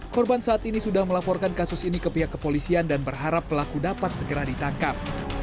korban saat ini sudah melaporkan kasus ini ke pihak kepolisian dan berharap pelaku dapat segera ditangkap